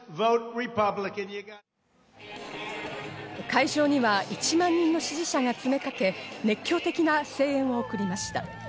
会場には１万人の支持者が詰めかけ、熱狂的な声援を送りました。